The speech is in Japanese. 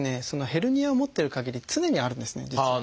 ヘルニアを持ってるかぎり常にあるんですね実は。